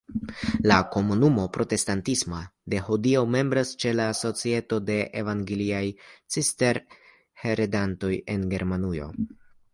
La komunumo protestatisma de hodiaŭ membras ĉe la Societo de evangeliaj cisterciheredantoj en Germanujo.